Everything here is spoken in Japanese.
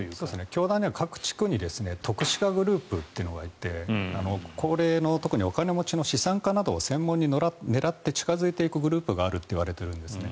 教団には篤志家グループというのがいて高齢の特にお金持ちの資産家を狙って近付いていくグループがあるといわれているんですね。